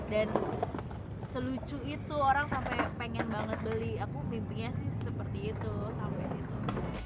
dan selucu itu orang sampai pengen banget beli aku mimpinya sih seperti itu sampai itu